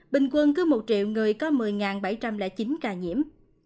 bình quân cứ một triệu người có một mươi bảy trăm linh chín ca nhiễm